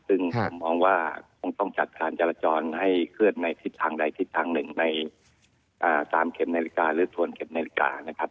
ซึ่งผมมองว่าคงต้องจัดการจราจรให้เคลื่อนในทิศทางใดทิศทางหนึ่งใน๓เข็มนาฬิกาหรือส่วนเข็มนาฬิกานะครับ